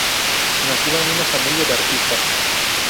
Nació en una familia de artistas.